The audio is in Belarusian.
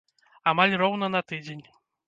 Амаль роўна на тыдзень.